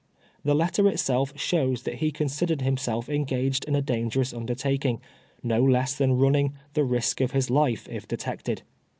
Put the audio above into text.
The letter itself shows that he considered himself engaged in a dangerous undertakmg — no less than running "the risk of his life, if detected."